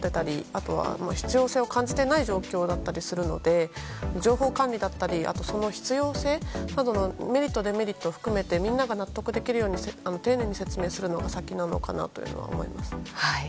あとは必要性を感じていない状況なので情報管理だったり必要性などのメリット、デメリット含めてみんなが納得するように丁寧に説明するのが先なのかなと思います。